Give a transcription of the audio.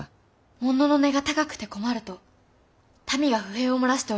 物の値が高くて困ると民が不平を漏らしておりました。